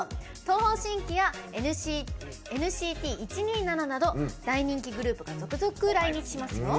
東方神起やＮＣＴ１２７など大人気グループが続々来日しますよ。